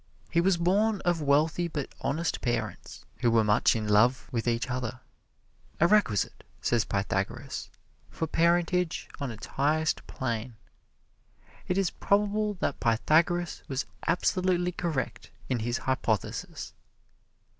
He was born of wealthy but honest parents, who were much in love with each other a requisite, says Pythagoras, for parentage on its highest plane. It is probable that Pythagoras was absolutely correct in his hypothesis.